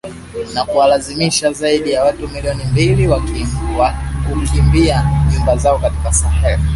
na kuwalazimisha zaidi ya watu milioni mbili kukimbia nyumba zao katika Sahel